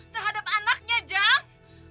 terhadap anaknya jang